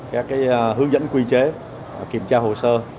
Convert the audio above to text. các hướng dẫn quy chế kiểm tra hồ sơ